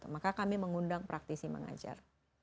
maka kami mengundang praktisi mengajar